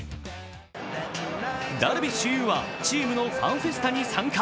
ダルビッシュ有はチームのファンフェスタに参加。